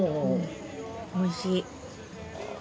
おいしい。